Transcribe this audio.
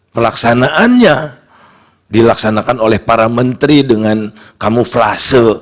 pelaksanaannya dilaksanakan oleh para menteri dengan kamuflase